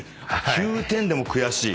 ９点でも悔しい？